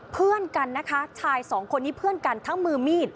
เพื่อนกันนะคะชายสองคนนี้เพื่อนกันทั้งมือมีด